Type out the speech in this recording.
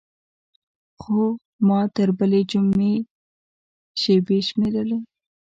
خو ما تر بلې جمعې شېبې شمېرلې.